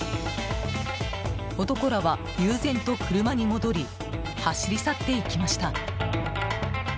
男らは悠然と車に戻り走り去っていきました。